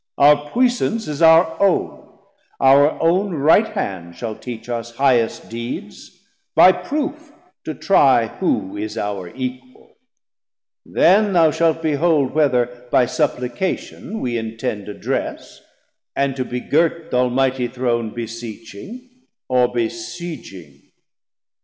860 Our puissance is our own, our own right hand Shall teach us highest deeds, by proof to try Who is our equal: then thou shalt behold Whether by supplication we intend Address, and to begirt th' Almighty Throne Beseeching or besieging.